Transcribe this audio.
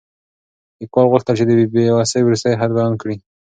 لیکوال غوښتل چې د بې وسۍ وروستی حد بیان کړي.